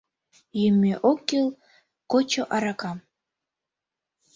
Йӱмӧ ок кӱл кочо аракам.